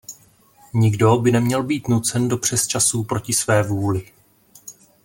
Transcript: Nikdo by neměl být nucen do přesčasů proti své vůli.